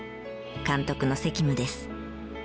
監督の責務です。